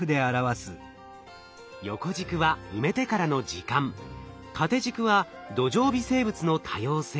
横軸は埋めてからの時間縦軸は土壌微生物の多様性